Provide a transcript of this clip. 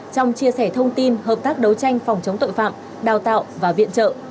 trong chia sẻ thông tin hợp tác đấu tranh phòng chống tội phạm đào tạo và viện trợ